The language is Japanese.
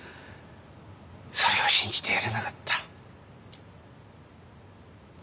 それを信じてやれなかった。